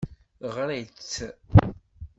Ɣriɣ-tt.